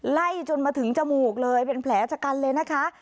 ไล่จนมาถึงจมูกเลยเป็นแผลชะกันเลยนะคะ